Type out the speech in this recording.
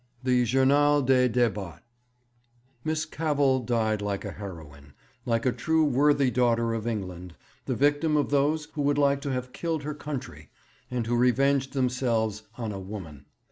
The Journal des Débats. 'Miss Cavell died like a heroine, like a true worthy daughter of England, the victim of those who would like to have killed her country, and who revenged themselves on a woman.